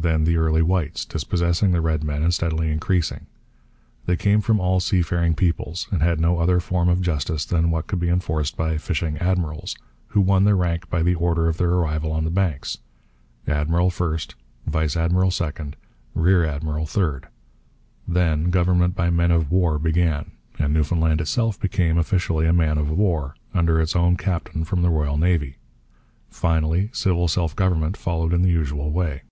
Then the early whites, dispossessing the red men and steadily increasing. They came from all seafaring peoples, and had no other form of justice than what could be enforced by 'fishing admirals,' who won their rank by the order of their arrival on the Banks admiral first, vice admiral second, rear admiral third. Then government by men of war began, and Newfoundland itself became, officially, a man of war, under its own captain from the Royal Navy. Finally, civil self government followed in the usual way.